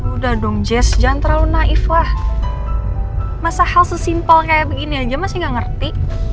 udah dong jazz jangan terlalu naif lah masa hal sesimpel kayak begini aja masih gak ngerti